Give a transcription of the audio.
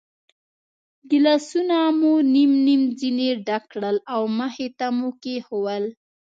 ګیلاسونه مو نیم نیم ځنې ډک کړل او مخې ته مو کېښوول.